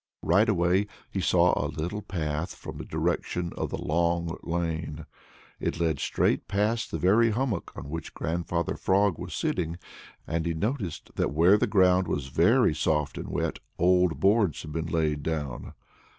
Right away he saw a little path from the direction of the Long Lane. It led straight past the very hummock on which Grandfather Frog was sitting, and he noticed that where the ground was very soft and wet, old boards had been laid down.